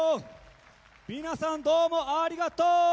皆さんどうもありがとう！